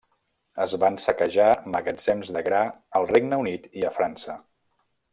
Es van saquejar magatzems de gra al Regne Unit i a França.